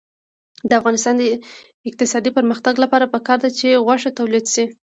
د افغانستان د اقتصادي پرمختګ لپاره پکار ده چې غوښه تولید شي.